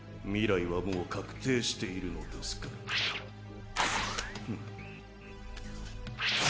未来はもう確定しているのですから。